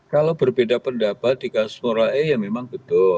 kalau berbeda pendapat di kasus formula e ya memang betul